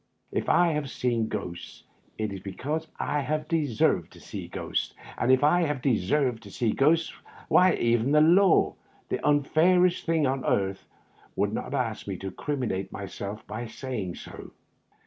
If I Digitized by VjOOQIC THE UPPER BERTH. 51 liave seen ghosts, it is because I have deserved to see ghosts, and, if I have deserved to see ghosts, why, even the law, the unfairest thing on earth, would not ask me to criminate myself by saying so.